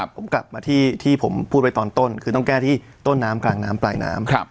ผมกลับมาที่ผมพูดไว้ตอนต้นคือต้องแก้ที่ต้นน้ำกลางน้ำปลายน้ำ